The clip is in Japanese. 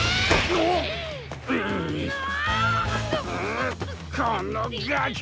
うこのガキ！